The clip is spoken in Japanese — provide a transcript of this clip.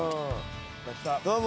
・どうも。